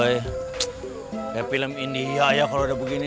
ya film india ya kalau udah begini nih